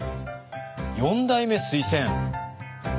「四代目推薦！」。